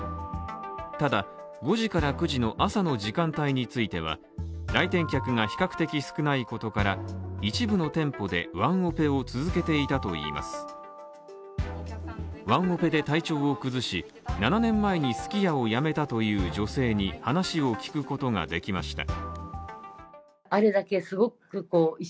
ただ、５時から９時の朝の時間帯については、来店客が比較的少ないことから一部の店舗でワンオペを続けていたといいますワンオペで体調を崩し、７年前にすき家をやめたという女性に話を聞くことができました。